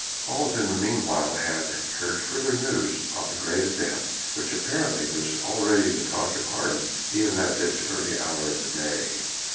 Hals in the meanwhile had heard further news of the great event which apparently was already the talk of Haarlem even at this early hour of the day.